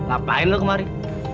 apaan lo kemarin